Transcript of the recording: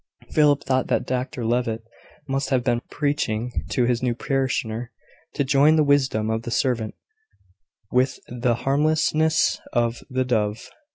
Philip thought that Dr Levitt must have been preaching to his new parishioner to join the wisdom of the serpent with the harmlessness of the dove.